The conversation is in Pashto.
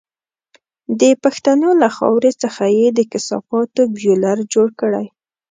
د پښتنو له خاورې څخه یې د کثافاتو بيولر جوړ کړی.